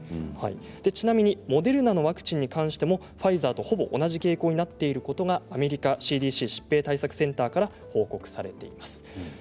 ちなみにモデルナのワクチンに関してもファイザーとほぼ同じ傾向となっていることがアメリカＣＤＣ・疾病対策センターから報告されています。